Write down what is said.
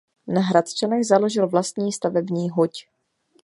Na Hradčanech založil vlastní stavební huť.